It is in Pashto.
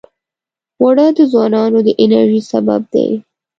اوړه د ځوانانو د انرژۍ سبب دي